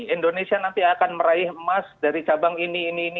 indonesia nanti akan meraih emas dari cabang ini ini